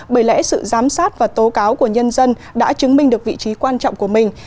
bởi lẽ sự giám sát và tố cáo của nhân dân đã chứng minh được vị trí quan trọng của mình